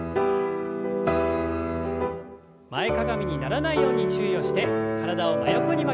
前かがみにならないように注意をして体を真横に曲げます。